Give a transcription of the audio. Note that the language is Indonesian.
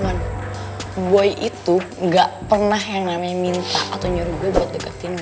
man boy itu nggak pernah yang namanya minta atau nyuruh gue buat deketinmu